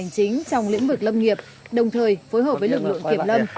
chính trong lĩnh vực lâm nghiệp đồng thời phối hợp với lực lượng kiểm lâm